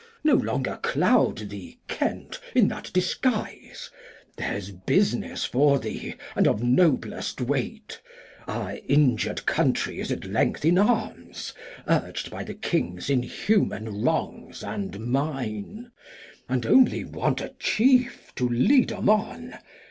Glost. No longer cloud thee, Kent in that Disguise, There's Business for thee, and of noblest Weight ; Our injur'd Country is at length in Arms, Urg'd by the King's inhumane Wrongs and Mine, And only want a Chief to lead 'em on.